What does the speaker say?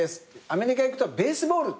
アメリカ行くと「ベースボール」